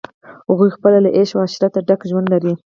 هغوی خپله له عیش و عشرته ډک ژوند لري.